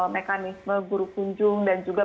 mekanisme guru kunjung dan juga